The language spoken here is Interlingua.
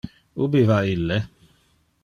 Ubi va ille?